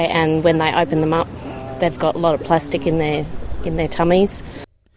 dan ketika mereka membuka mereka memiliki banyak plastik di tubuh mereka